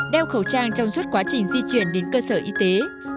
đeo khẩu trang trong suốt quá trình di chuyển đến cơ sở y tế